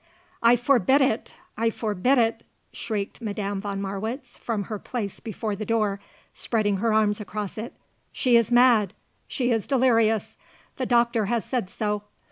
"I forbid it! I forbid it!" shrieked Madame von Marwitz from her place before the door, spreading her arms across it. "She is mad! She is delirious! The doctor has said so!